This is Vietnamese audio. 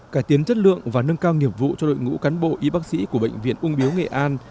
cải tiến chất lượng và nâng cao nghiệp vụ cho đội ngũ cán bộ y bác sĩ của bệnh viện ung biếu nghệ an